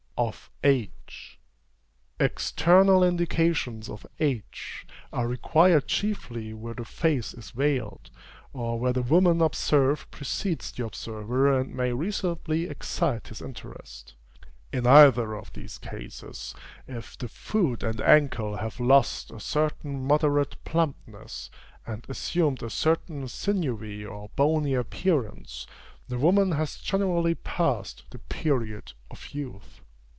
OF AGE. External indications of age are required chiefly where the face is veiled, or where the woman observed precedes the observer and may reasonably excite his interest. In either of these cases, if the foot and ankle have lost a certain moderate plumpness, and assumed a certain sinewy or bony appearance, the woman has generally passed the period of youth.